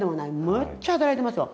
むっちゃ働いてますよ。